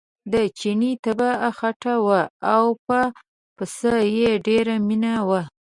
د چیني طبعه خټه وه او په پسه یې ډېره مینه وه.